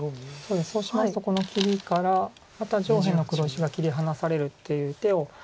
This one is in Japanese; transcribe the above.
そうしますとこの切りからまた上辺の黒地が切り離されるという手を。